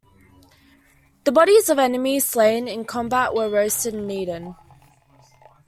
The bodies of enemies slain in combat were roasted and eaten.